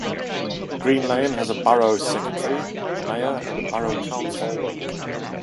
Green Lane has a borough secretary, a mayor and borough council.